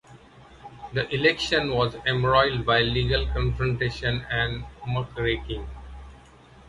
The election was embroiled by "legal confrontation and muckraking".